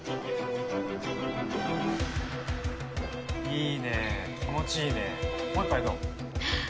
いいねぇ気持ちいいねぇ。